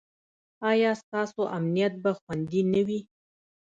ایا ستاسو امنیت به خوندي نه وي؟